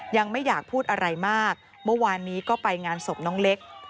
ยังไม่อยากพูดอะไรมากเมื่อวานนี้ก็ไปงานศพน้องเล็ก